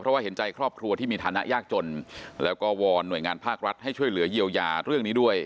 เพราะว่าเห็นใจครอบครัวที่มีฐานะยากจนแล้วก็วอนหน่วยงานภาครัฐให้ช่วยเหลือเยียวยาเรื่องนี้ด้วย